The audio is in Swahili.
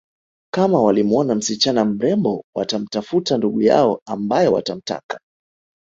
Kama walimwona msichana mrembo watamtafuta ndugu yao ambaye watamtaka